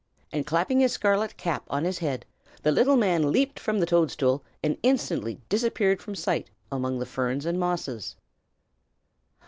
and clapping his scarlet cap on his head, the little man leaped from the toadstool, and instantly disappeared from sight among the ferns and mosses.